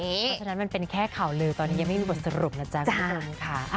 เพราะฉะนั้นมันเป็นแค่ข่าวลือตอนนี้ยังไม่มีบทสรุปนะจ๊ะพี่ตุ๋นค่ะ